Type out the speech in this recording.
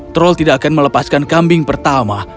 troll tidak akan melepaskan kambing pertama